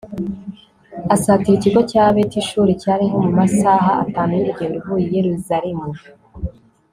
asatira ikigo cya betishuri cyari nko mu masaha atanu y'urugendo uvuye i yeruzalemu